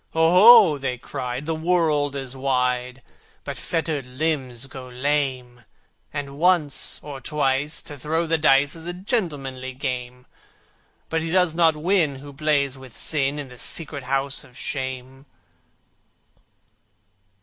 "Oho!" they cried, "the world is wide, But fettered limbs go lame! And once, or twice, to throw the dice Is a gentlemanly game, But he does not win who plays with Sin In the secret House of Shame."